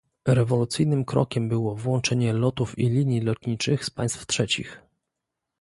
Rewolucyjnym krokiem było włączenie lotów i linii lotniczych z państw trzecich